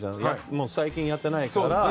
もう最近やってないから。